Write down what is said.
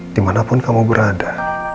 dimanapun kamu berada